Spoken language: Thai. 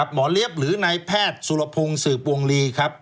เลี้ยบหรือนายแพทย์สุรพงศ์สืบวงลีครับ